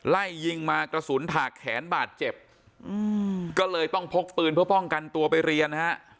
ไล่ยิงมากระสุนถากแขนบาดเจ็บอืมก็เลยต้องพกปืนเพื่อป้องกันตัวไปเรียนนะฮะ